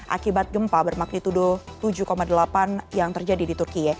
akibat gempa bermaknitudo tujuh delapan yang terjadi di turki